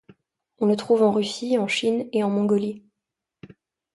On le trouve en Russie, en Chine et en Mongolie.